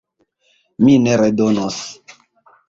Mi ne redonos!